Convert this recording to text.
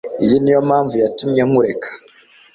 Iyi ni yo mpamvu yatumye nkureka